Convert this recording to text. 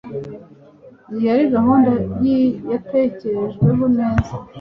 Iyi yari gahunda yatekerejweho neza.